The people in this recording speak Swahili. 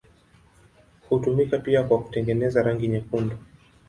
Hutumika pia kwa kutengeneza rangi nyekundu.